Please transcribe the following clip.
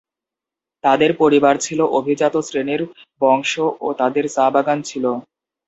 তাদের পরিবার ছিল অভিজাত শ্রেনীর বংশ ও তাদের চা-বাগান ছিল।